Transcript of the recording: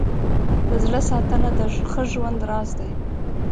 د زړه ساتنه د ښه ژوند راز دی.